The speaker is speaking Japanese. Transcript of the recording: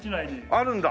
あるんだ。